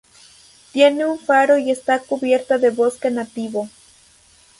Tiene un faro y está cubierta de bosque nativo.